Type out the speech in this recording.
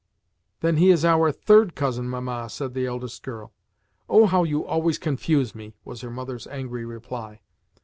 "Then he is our THIRD cousin, Mamma," said the eldest girl. "Oh, how you always confuse me!" was her mother's angry reply.